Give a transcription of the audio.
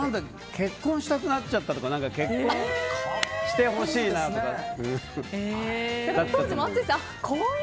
結婚したくなっちゃったとか結婚してほしいなとかだったような。